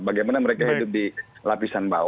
bagaimana mereka hidup